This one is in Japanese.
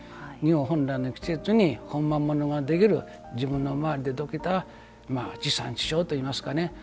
本来の季節にほんまものができる自分の周りでできる地産地消といいますか。